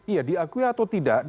iya diakui atau tidak